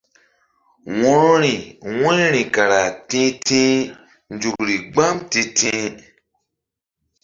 Wo̧rori wu̧yri kara ti̧ti̧h nzukri mgbam ti̧ti̧h.